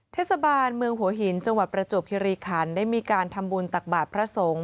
เทศบาลเมืองหัวหินจังหวัดประจวบคิริคันได้มีการทำบุญตักบาทพระสงฆ์